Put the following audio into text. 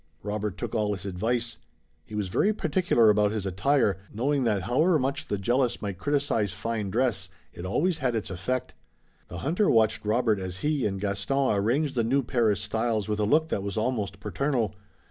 Robert took all his advice. He was very particular about his attire, knowing that however much the jealous might criticize fine dress it always had its effect. The hunter watched Robert as he and Gaston arranged the new Paris styles with a look that was almost paternal.